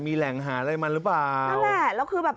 มีแหล่งหาอะไรมาหรือเปล่านั่นแหละแล้วคือแบบ